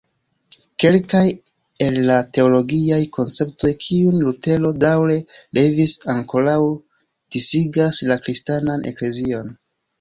Kelkaj el la teologiaj konceptoj kiujn Lutero daŭre levis ankoraŭ disigas la Kristanan Eklezion.